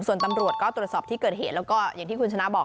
ส่วนตำรวจก็ตรวจสอบที่เกิดเหตุแล้วก็อย่างที่คุณชนะบอก